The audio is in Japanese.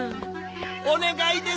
お願いです！